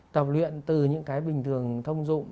tập luyện từ những cái bình thường thông dụng